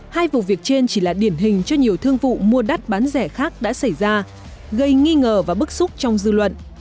hai vụ việc trên chỉ là điển hình cho nhiều thương vụ mua đắt bán rẻ khác đã xảy ra gây nghi ngờ và bức xúc trong dư luận